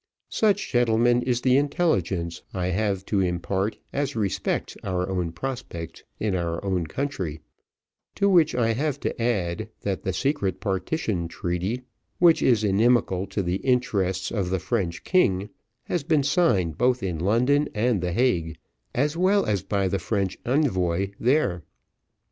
Such, gentlemen, is the intelligence I have to impart as respects our own prospects in our own country to which I have to add, that the secret partition treaty, which is inimical to the interests of the French king, has been signed both in London and the Hague, as well as by the French envoy there.